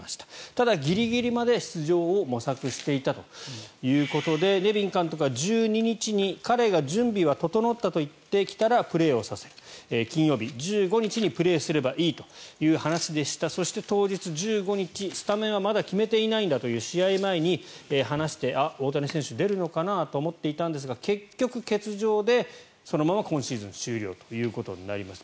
ただ、ギリギリまで出場を模索していたということでネビン監督は１２日に彼が準備は整ったと言ってきたらプレーをさせる金曜日、１５日にプレーすればいいという話でしたそして、当日１５日スタメンはまだ決めていないんだと試合前に話してあ、大谷選手出るのかなと思っていたんですが結局欠場でそのまま今シーズン終了となりました。